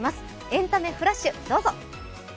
「エンタメフラッシュ」どうぞ。